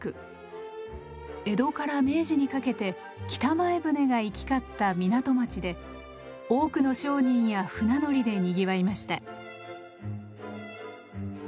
江戸から明治にかけて北前船が行き交った港町で多くの商人や船乗りでにぎわいました。